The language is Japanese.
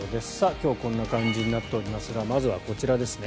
今日はこんな感じになっておりますがまずはこちらですね。